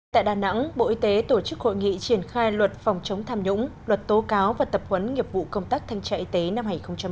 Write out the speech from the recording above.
tại đà nẵng bộ y tế tổ chức hội nghị triển khai luật phòng chống tham nhũng luật tố cáo và tập huấn nghiệp vụ công tác thanh tra y tế năm hai nghìn một mươi chín